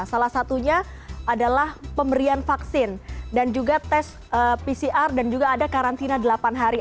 salah satunya adalah pemberian vaksin dan juga tes pcr dan juga ada karantina delapan hari